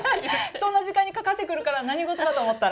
そんな時間にかかってくるから、何事かと思ったら。